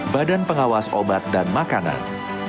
badan pengawas obat dan makanan